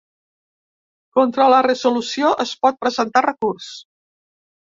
Contra la resolució es pot presentar recurs.